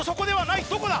どこだ？